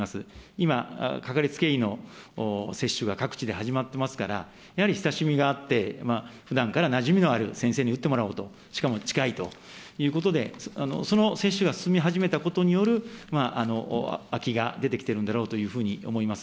今、掛かりつけ医の接種が各地で始まってますから、やはり親しみがあって、ふだんからなじみのある先生に打ってもらおうと、しかも近いということで、その接種が進み始めたことによる空きが出てきてるんだろうというふうに思います。